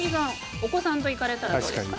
お子さんと行かれたらどうですか？